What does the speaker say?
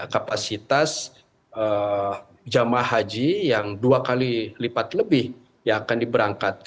kapasitas jemaah haji yang dua kali lipat lebih yang akan diberangkatkan